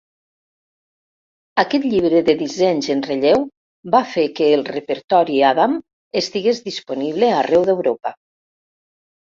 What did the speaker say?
Aquest llibre de dissenys en relleu va fer que el repertori "Adam" estigués disponible arreu d'Europa.